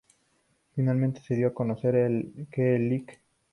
Finalmente se dio a conocer que el Lic.